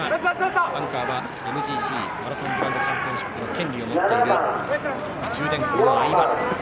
アンカーはＭＧＣ＝マラソングランドチャンピオンシップの権利を持っている中電工の相葉。